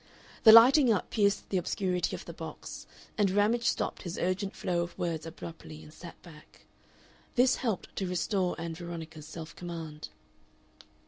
The lighting up pierced the obscurity of the box, and Ramage stopped his urgent flow of words abruptly and sat back. This helped to restore Ann Veronica's self command.